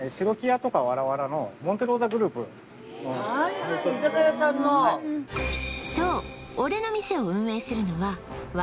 はいはい居酒屋さんのそう俺の店を運営するのは笑